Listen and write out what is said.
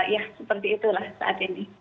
ya seperti itulah saat ini